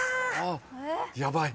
ヤバい！